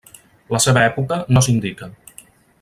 La seva època no s'indica.